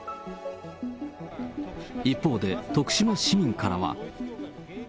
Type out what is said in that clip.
一方で、徳島市民からは。